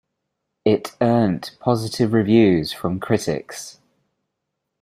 It earned positive reviews from critics.